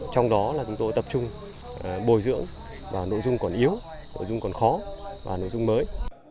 trong đó là chúng tôi tập trung bồi dưỡng và nội dung còn yếu nội dung còn khó và nội dung mới